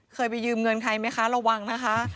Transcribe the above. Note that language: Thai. ไปยืมเงินใครไหมคะระวังนะคะ